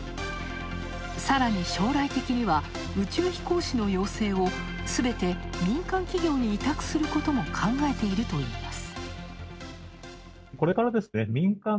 さらに将来的には、宇宙飛行士の養成をすべて民間企業に委託することも考えているといいます。